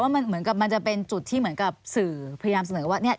แต่ว่ามันจะเป็นจุดที่เหมือนกับสื่อพยายามเสนอว่า